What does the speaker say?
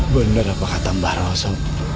bener apa kata mbak rosso